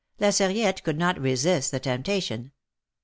'^ La Sarriette could not resist the temptation.